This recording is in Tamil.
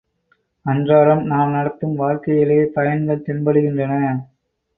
அன்றாடம் நாம் நடத்தும் வாழ்க்கையிலேயே பயன்கள் தென்படுகின்றன.